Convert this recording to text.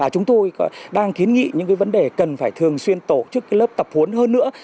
chúng tôi đang kiến nghị những vấn đề cần phải thường xuyên tổ chức lớp tập huấn hơn nữa